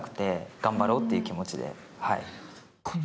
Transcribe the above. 頑張ろうっていう気持ちで。